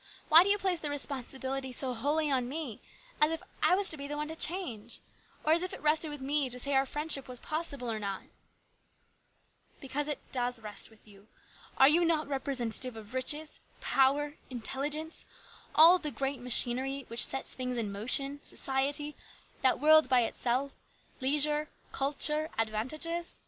Why do you place the responsibility so wholly on me, as if I would be the one to change, or as if it rested with me to say that our friendship was possible or not ?"" Because it does rest with you. Are you not representative of riches, power, intelligence, all the great machinery which sets things in motion, society, that world by itself, leisure, culture, advantages